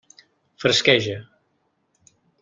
Fresqueja.